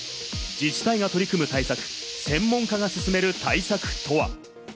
自治体が取り組む対策、専門家がすすめる対策とは？